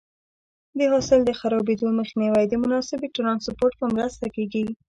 د حاصل د خرابېدو مخنیوی د مناسبې ټرانسپورټ په مرسته کېږي.